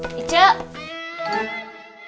masak semampu kita seadanya